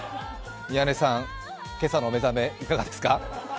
宮根さん、今朝のお目覚めいかがですか？